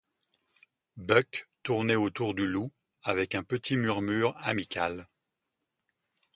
Buck tournait autour du loup avec un petit murmure amical.